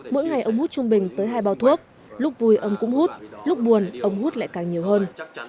mỗi ngày ông hút trung bình tới hai bao thuốc lúc vui ông cũng hút lúc buồn ống hút lại càng nhiều hơn